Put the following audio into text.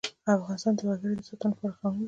افغانستان د وګړي د ساتنې لپاره قوانین لري.